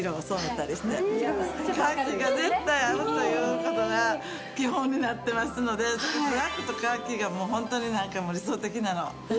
カーキが絶対合うという事が基本になってますのでブラックとカーキがもう本当になんか理想的なの。